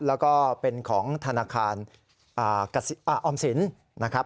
แล้วก็เป็นของธนาคารออมสินนะครับ